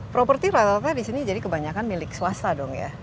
properti rata rata di sini jadi kebanyakan milik swasta dong ya